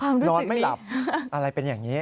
นอนไม่หลับอะไรเป็นอย่างนี้